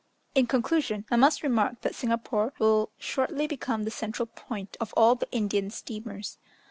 In conclusion, I must remark that Singapore will shortly become the central point of all the Indian steamers.